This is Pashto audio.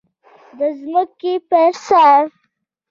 د ځمکې پر سر